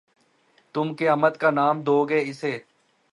تم قیامت کا نام دو گے اِسے